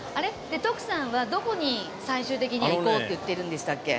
で徳さんはどこに最終的に行こうって言ってるんでしたっけ。